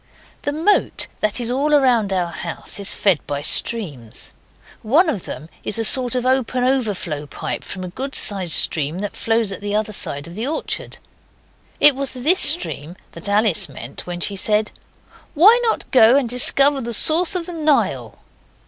The moat that is all round our house is fed by streams. One of them is a sort of open overflow pipe from a good sized stream that flows at the other side of the orchard. It was this stream that Alice meant when she said 'Why not go and discover the source of the Nile?